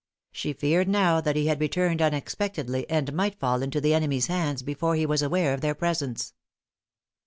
She feared now that he had returned unexpectedly, and might fall into the enemy's hands before he was aware of their presence.